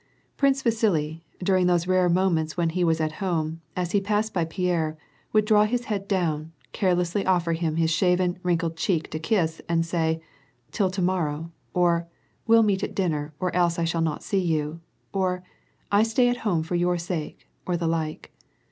Prince Vasili, during those rare moments when he was at home, as he passed by Pierre, would draw his head down, care lessly offer him his shaven, wrinkled cheek to kiss, and say: " Till to morrow," or " We'll meet at dinner, or else I shall not see you," or, " I stay at home for your sake," or the like.